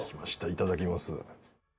いただきます。